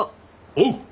おう。